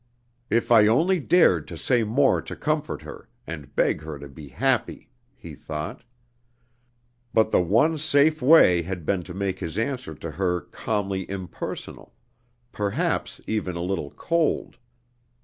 "If I only dared to say more to comfort her, and beg her to be happy!" he thought. But the one safe way had been to make his answer to her calmly impersonal, perhaps even a little cold.